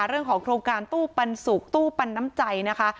เรื่องของโครงการตู้ปันสุกตู้ปันน้ำใจนะคะ